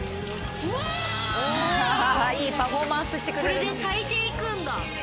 これで炊いていくんだ。